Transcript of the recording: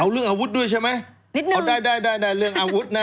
เอาเรื่องอาวุธด้วยใช่ไหมเอาได้ได้เรื่องอาวุธนะ